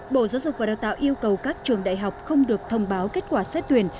bộ giáo dục và đào tạo yêu cầu các trường đại học không được thông báo kết quả xét tuyển